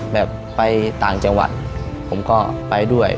แบบไปต่างจังหวัดผมก็ไปด้วย